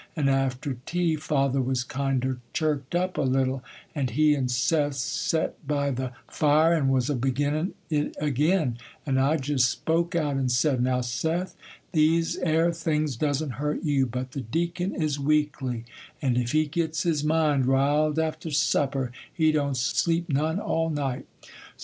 And after tea father was kinder chirked up a little, and he and Seth set by the fire, and was a beginnin' it ag'in, and I jest spoke out and said,—"Now, Seth, these 'ere things doesn't hurt you; but the Deacon is weakly, and if he gets his mind riled after supper, he don't sleep none all night.